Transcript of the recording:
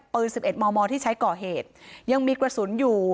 ปืน๑๑มมที่ใช้ก่อเหตุยังมีกระสุนอยู่